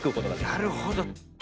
なるほど。